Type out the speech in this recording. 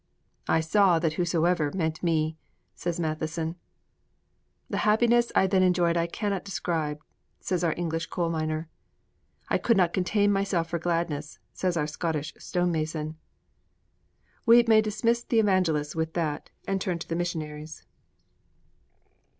'I saw that "whosoever" meant "me,"' says Matheson. 'The happiness I then enjoyed I cannot describe,' says our English coal miner. 'I could not contain myself for gladness,' says our Scottish stonemason. We may dismiss the evangelists with that, and turn to the missionaries.